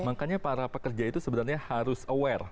makanya para pekerja itu sebenarnya harus aware